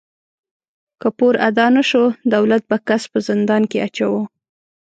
که پور ادا نهشو، دولت به کس په زندان کې اچاوه.